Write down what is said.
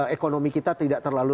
ekonomi kita tidak terlalu